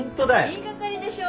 言い掛かりでしょ？